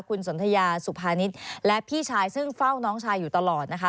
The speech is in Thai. คุณสนทยาสุภานิษฐ์และพี่ชายซึ่งเฝ้าน้องชายอยู่ตลอดนะคะ